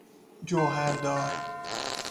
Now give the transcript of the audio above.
جوهردار